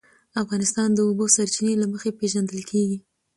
افغانستان د د اوبو سرچینې له مخې پېژندل کېږي.